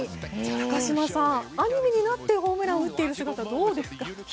高島さん、アニメになってホームランを打っている姿どうですか？